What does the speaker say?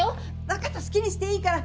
分かった好きにしていいから。